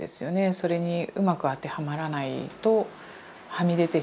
それにうまく当てはまらないとはみ出てしまう。